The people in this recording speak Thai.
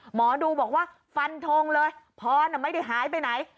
หมอดูบอกว่าฟันทงเลยพรไม่ได้หายไปไหน